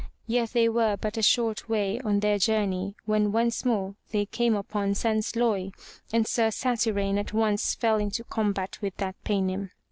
Yet they were but a short way on their journey when once more they came upon Sansloy, and Sir Satyrane at once fell into combat with that Paynim.